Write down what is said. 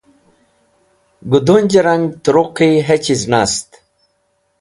gudunj rang truq hechiz nast